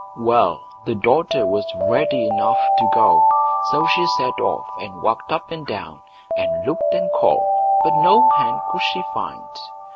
Well! the daughter was ready enough to go, so she set off and walked up and down, and looked and called, but no hen could she find.